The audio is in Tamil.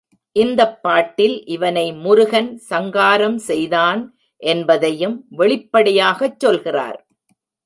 இந்தப் பாட்டில் இவனை முருகன் சங்காரம் செய்தான் என்பதையும் வெளிப்படையாகச் சொல்கிறார்.